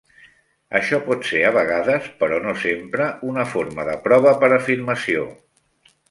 Això pot ser a vegades, però no sempre, una forma de prova per afirmació.